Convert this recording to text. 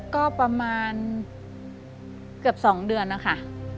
ก็ประมาณเกือบ๒เดือนนะคะ